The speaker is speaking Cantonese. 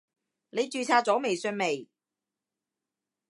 你註冊咗微信未？